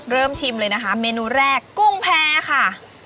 ชิมเลยนะคะเมนูแรกกุ้งแพรค่ะ